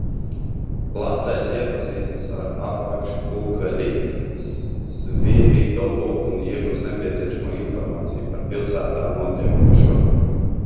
Platais iepazīstas ar apakšpulkvedi Sviridovu un iegūst nepieciešamo informāciju par pilsētā notiekošo.